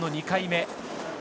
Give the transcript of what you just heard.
２回目。